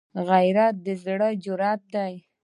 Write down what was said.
غیرت د زړه جرأت دی